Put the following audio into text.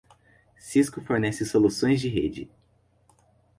Cisco fornece soluções de rede.